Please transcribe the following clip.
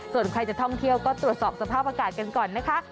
ส่วนใครจะท่องเที่ยวก็ตรวจสอบสภาพอากาศกันก่อนนะคะ